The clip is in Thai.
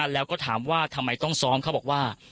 แล้วก็ถามว่าทำไมต้องซ้อมเขาบอกว่า